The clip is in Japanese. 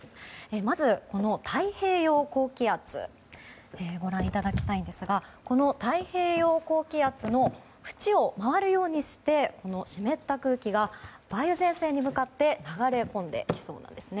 まず、この太平洋高気圧をご覧いただきたいんですがこの太平洋高気圧の縁を回るようにして湿った空気が梅雨前線に向かって流れ込んできそうなんです。